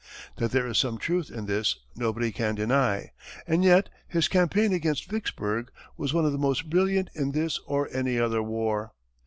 That there is some truth in this nobody can deny, and yet his campaign against Vicksburg was one of the most brilliant in this or any other war.